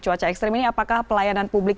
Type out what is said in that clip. cuaca ekstrim ini apakah pelayanan publik